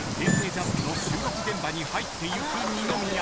ＪＵＭＰの収録現場に入っていく二宮］